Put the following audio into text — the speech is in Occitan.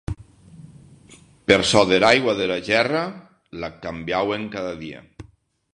Per çò dera aigua dera gèrra, l'ac cambiauen cada dia.